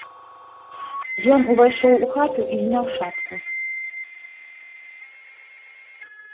Ён увайшоў у хату і зняў шапку.